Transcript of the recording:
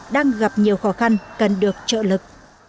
đang gặp nhiều khó khăn cần được trợ lực